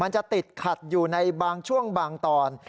จะติดขัดอยู่ในบางช่วงบางตอน